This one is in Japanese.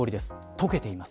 解けています。